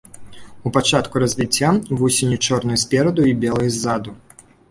У пачатку развіцця, вусені чорныя спераду і белыя ззаду.